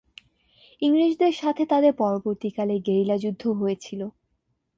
ইংরেজদের সাথে তাদের পরবর্তীকালে গেরিলা যুদ্ধ হয়েছিল।